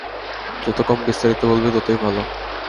যত কম বিস্তারিত বলবে, ততই ভাল।